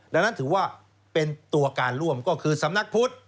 ดังนั้นถือว่าเป็นตัวการร่วมก็คือสำนักพุทธ